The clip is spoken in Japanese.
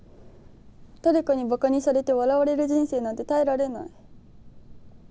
誰かにバカにされて笑われる人生なんて耐えられない。